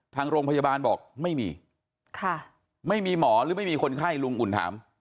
ทางโรงพยาบาลบอกไม่มีค่ะไม่มีไม่มีหมอหรือไม่มีคนไข้ลุงอุ่นถาม